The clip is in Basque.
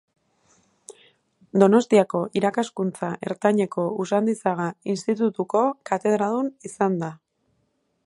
Donostiako irakaskuntza ertaineko Usandizaga institutuko katedradun izan da.